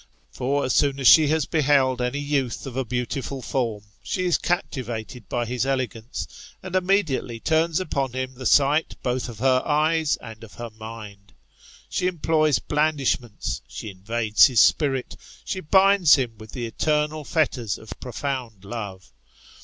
For as soon as she has beheld any youth of a beautiful form, she is captivated by his elegance, and immediately turns upon him the sight both of her eyes and of her mind. She employs blandish ments, she invades his spirit, she binds him with the eternal fetters of profound love.